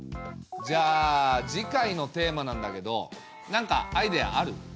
じゃあ次回のテーマなんだけどなんかアイデアある？